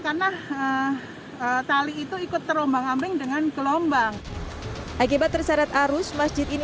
karena tali itu ikut terombang ambing dengan gelombang akibat terseret arus masjid ini